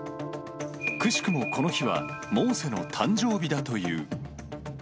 くしくもこの日は、モーセの誕生日だという。